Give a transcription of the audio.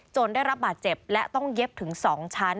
ได้รับบาดเจ็บและต้องเย็บถึง๒ชั้น